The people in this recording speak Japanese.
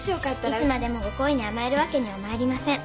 いつまでもご好意に甘えるわけにはまいりません。